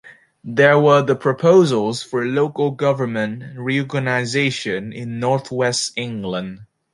These were the proposals for local government reorganisation in Northwest England.